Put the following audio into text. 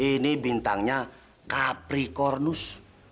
ini bintangnya capricornus